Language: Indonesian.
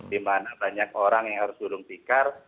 di mana banyak orang yang harus dudung tikar